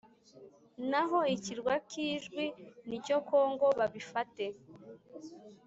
naho ikirwa k Ijwi ni icya congo babifate